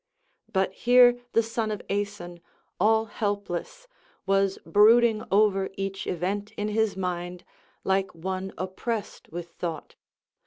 But here the son of Aeson, all helpless, was brooding over each event in his mind, like one oppressed with thought.